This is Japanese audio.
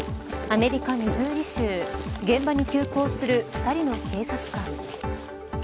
アメリカ、ミズーリ州現場に急行する２人の警察官。